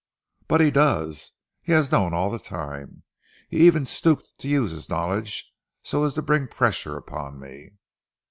"But he does! He has known all the time. He even stooped to use his knowledge so as to bring pressure upon me."